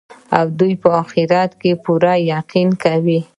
او دوى په آخرت پوره يقين كوي